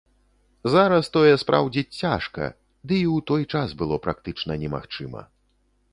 Зараз тое спраўдзіць цяжка, ды і ў той час было практычна немагчыма.